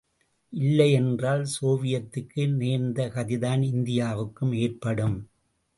இல்லையென்றால் சோவியத்துக்கு நேர்ந்த கதிதான் இந்தியாவுக்கும் ஏற்படும்.